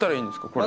これ。